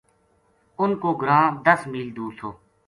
انھ کو گراں دس میل دور تھو